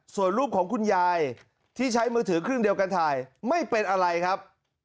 ส่วนรูปของคุณยายที่ใช้มือถือเครื่องเดียวกันถ่ายไม่เป็นอะไรครับ